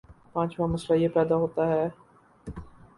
پانچواں مسئلہ یہ پیدا ہوتا ہے